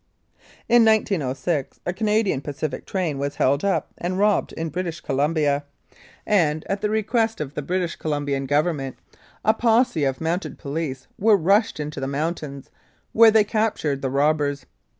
In 1906 a Canadian Pacific train was held up and robbed in British Columbia, and, at the request of the 100 1902 6. Maple Creek British Columbian Government, a posse of Mounted Police were rushed into the mountains, where they cap tured the robbers.